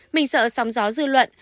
mình sợ sóng gió dư luận